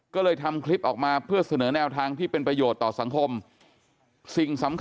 ก็เลยทำคลิปออกมาเพื่อเสนอแนวทางที่เป็นประโยชน์ต่อสังคมสิ่งสำคัญ